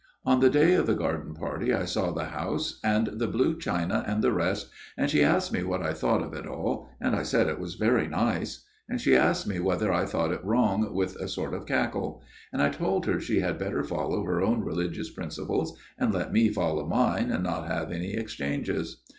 "On the day of the garden party I saw the 158 A MIRROR OF SHALOTT house, and the blue china and the rest, and she asked me what I thought of it all, and I said it was very nice ; and she asked me whether I thought it wrong, with a sort of cackle ; and I told her she had better follow her own religious principles and let me follow mine, and not have any exchanges.